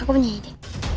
aku punya ide